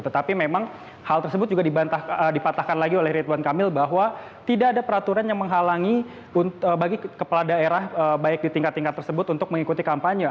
tetapi memang hal tersebut juga dipatahkan lagi oleh ridwan kamil bahwa tidak ada peraturan yang menghalangi bagi kepala daerah baik di tingkat tingkat tersebut untuk mengikuti kampanye